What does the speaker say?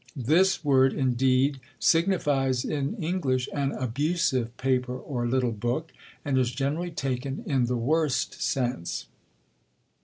This word indeed signifies in English an abusive paper or little book, and is generally taken in the worst sense.